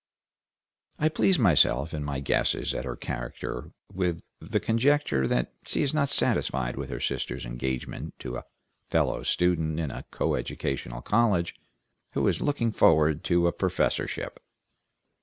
I please myself in my guesses at her character with the conjecture that she is not satisfied with her sister's engagement to a fellow student in a co educational college, who is looking forward to a professorship.